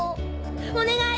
お願い！